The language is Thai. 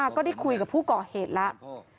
ก็ได้คุยกับผู้ก่อเหตุแล้ว